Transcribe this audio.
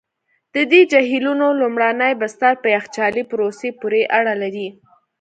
د دې جهیلونو لومړني بستر په یخچالي پروسې پوري اړه لري.